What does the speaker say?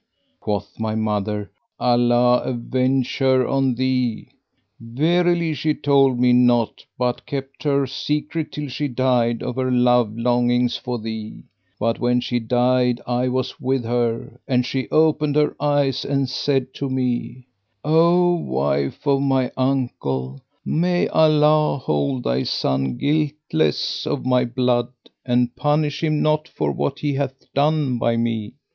Quoth my mother, "Allah avenge her on thee! Verily she told me naught, but kept her secret till she died of her love longings for thee; but when she died I was with her and she opened her eyes and said to me; 'O wife of my uncle may Allah hold thy son guiltless of my blood and punish him not for what he hath done by me!